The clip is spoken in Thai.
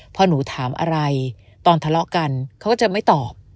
พอหนูถามอะไรตอนทะเลาะกันเขาก็จะไม่ตอบ